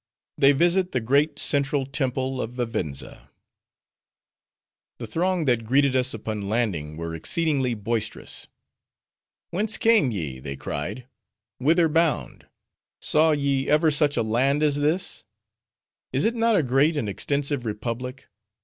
They Visit The Great Central Temple Of Vivenza The throng that greeted us upon landing were exceedingly boisterous. "Whence came ye?" they cried. "Whither bound? Saw ye ever such a land as this? Is it not a great and extensive republic?